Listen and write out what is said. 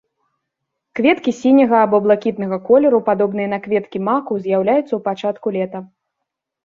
Кветкі сіняга або блакітнага колеру, падобныя на кветкі маку, з'яўляюцца ў пачатку лета.